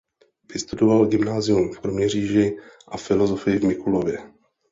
Vystudoval gymnázium v Kroměříži a filozofii v Mikulově.